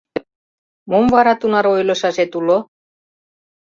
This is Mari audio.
Мо вара тунаре ойлышашет уло?